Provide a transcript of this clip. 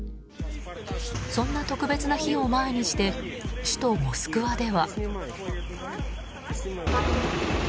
そんな特別な日を前にして首都モスクワでは。